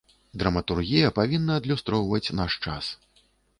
Драматургія павінна адлюстроўваць наш час.